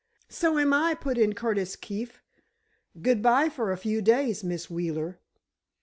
"So am I," put in Curtis Keefe. "Good bye for a few days, Miss Wheeler."